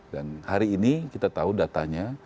dan hari ini kita tahu datanya